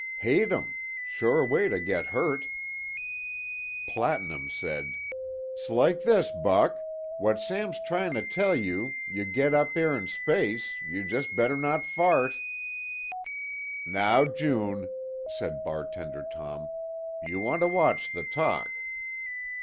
"Hate 'em. Sure way to get hurt." Platinum said: "'S like this, Buck, what Sam's try'n'a tell you, you get up 'ere in shpace, you just be'r not fart." "Now, June," said bartender Tom, "you want to watch the talk."